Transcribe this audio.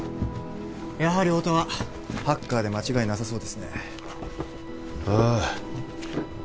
やはり太田はハッカーで間違いなさそうですねああ